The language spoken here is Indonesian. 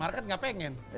market gak pengen